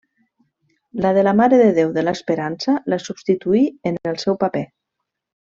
La de la Mare de Déu de l'Esperança la substituí en el seu paper.